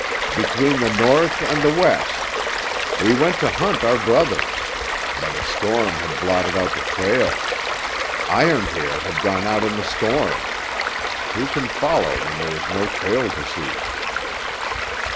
"Between the north and the west. We went to hunt our brothers. But a storm had blotted out the trail. Iron Hair had gone out in the storm. Who can follow when there is no trail to see?"